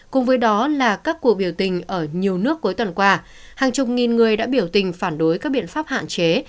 cùng với đó là các cuộc biểu tình ở nhiều nước cuối tuần qua hàng chục nghìn người đã biểu tình phản đối các biện pháp hạn chế